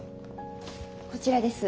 こちらです。